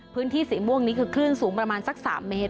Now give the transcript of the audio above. พื้นที่สีม่วงนี้คือคลื่นสูงประมาณสัก๓เมตร